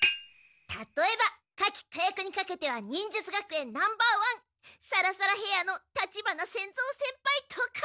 たとえば火器火薬にかけては忍術学園ナンバーワンサラサラヘアの立花仙蔵先輩とか！